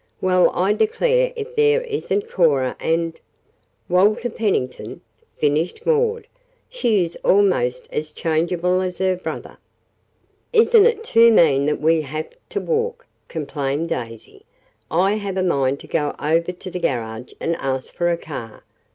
Well, I declare if there isn't Cora and " "Walter Pennington," finished Maud. "She is almost as changeable as her brother." "Isn't it too mean that we have to walk," complained Daisy. "I have a mind to go over to the garage and ask for a car.